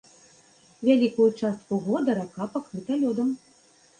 Вялікую частку года рака пакрыта лёдам.